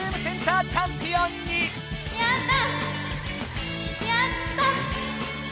やった！